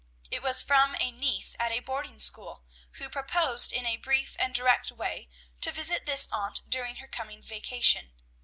It was from a niece at a boarding school, who proposed, in a brief and direct way, to visit this aunt during her coming vacation.